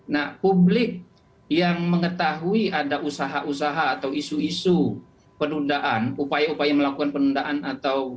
nah publik yang mengetahui ada usaha usaha atau isu isu penundaan upaya upaya melakukan penundaan atau